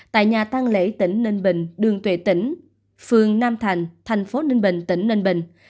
tại nhà tăng lễ tỉnh ninh bình đường tuệ tỉnh phường nam thành thành phố ninh bình tỉnh ninh bình